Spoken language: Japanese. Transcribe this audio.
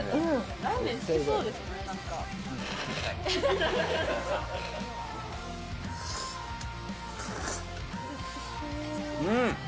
ラーメン好きそうですもんね、うん。